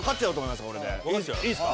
いいですか？